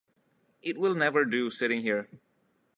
It will never do, sitting here.